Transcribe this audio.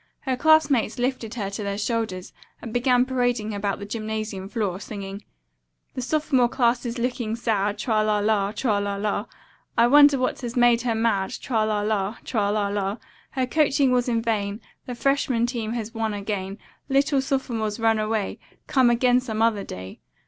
Her classmates lifted her to their shoulders and began parading about the gymnasium floor, singing: "Nineteen is looking sad, Tra la la, Tra la la, I wonder what has made her mad, Tra la la, Tra la la, Her coaching was in vain, The freshman team has won again, Little sophomores, run away, Come again some other day."